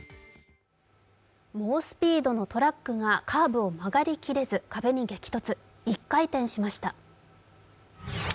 猛スピードのトラックがカーブを曲がりきれず壁に激突、１回転しました。